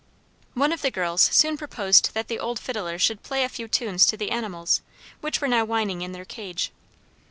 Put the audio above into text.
One of the girls soon proposed that the old fiddler should play a few tunes to the animals, which were now whining in their cage.